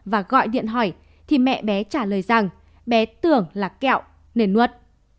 và gọi điện hỏi thì mẹ bé trả lời rằng bé tưởng là kẹo nên nuốt